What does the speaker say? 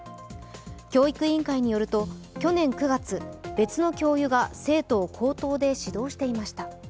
教育委員会によると、去年９月、別の教諭が生徒を口頭で指導していました。